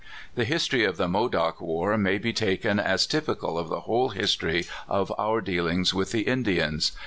The history of the Modoc war may be taken as typical of the whole history of our dealings with the Indians.